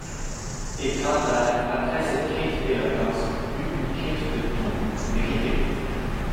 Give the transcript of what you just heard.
Et Grantaire, après cette quinte d’éloquence, eut une quinte de toux, méritée.